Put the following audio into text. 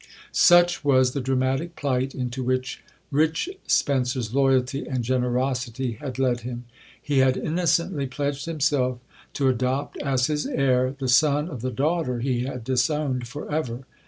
Such was the dramatic plight into which "Rich Spencer's" loyalty and generosity had led him. He had innocently pledged himself to adopt as his heir, the son of the daughter he had disowned for ever.